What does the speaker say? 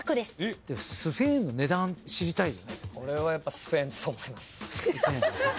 スフェーンの値段知りたいよね。